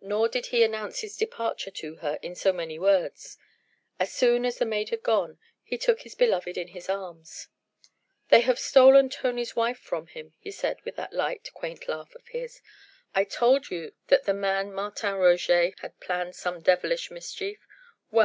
Nor did he announce his departure to her in so many words. As soon as the maid had gone, he took his beloved in his arms. "They have stolen Tony's wife from him," he said with that light, quaint laugh of his. "I told you that the man Martin Roget had planned some devilish mischief well!